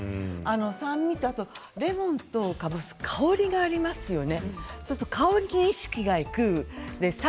酸味、レモンとかぼすは香りがありますよね。